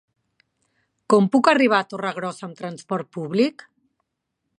Com puc arribar a Torregrossa amb trasport públic?